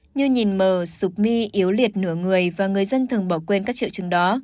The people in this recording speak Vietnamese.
như nhìn mờ sụp mi yếu liệt nửa người và người dân thường bỏ quên các triệu chứng đó